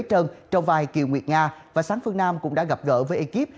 trần trong vai kiều nguyệt nga và sáng phương nam cũng đã gặp gỡ với ekip